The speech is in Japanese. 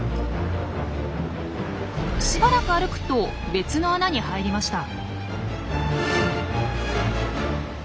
しばらく歩くと別の穴に入りました。